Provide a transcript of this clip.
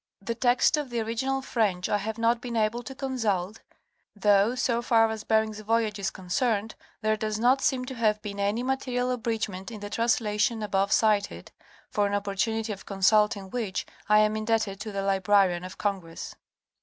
The text of the original French I have not been able to consult, though, so far as Bering's voyage is concerned, there does not seem to have been any material abridgment in the translation above cited, for an opportunity of consulting which I am indebted to the Librarian of Congress.